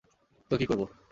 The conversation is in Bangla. তো কী করবো?